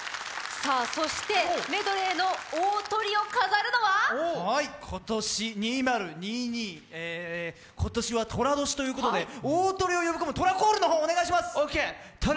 そしてメドレーの大トリを飾るのは今年２０２２今年は寅年ということで大トリを呼び込む寅コールのほうお願いします！